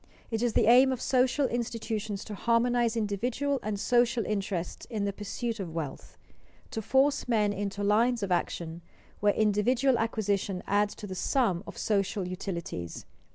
It is the aim of social institutions to harmonize individual and social interests in the pursuit of wealth, to force men into lines of action where individual acquisition adds to the sum of social utilities.